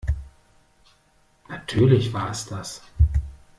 Natürlich war es das.